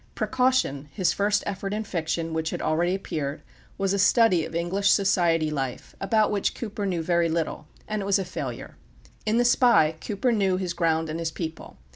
"Precaution," his first effort in fiction, which had already appeared, was a study of English society life, about which Cooper knew very little, and it was a failure. In "The Spy," Cooper knew his ground and his people.